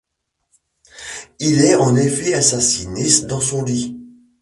Il est en effet assassiné dans son lit.